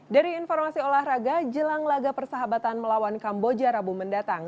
dari informasi olahraga jelang laga persahabatan melawan kamboja rabu mendatang